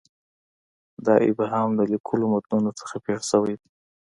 دا ابهام د لیکلو متونو څخه پېښ شوی دی.